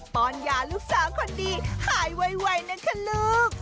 ปอนยาลูกสาวคนดีหายไวนะคะลูก